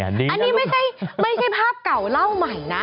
อันนี้ไม่ใช่ภาพเก่าเล่าใหม่นะ